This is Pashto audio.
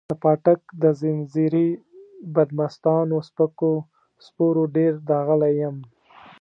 د پاټک د ځنځیري بدمستانو سپکو سپورو ډېر داغلی یم.